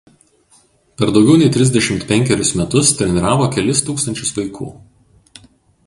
Per daugiau nei trisdešimt penkerius metus treniravo kelis tūkstančius vaikų.